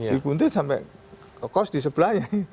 dibuntut sampai kos di sebelahnya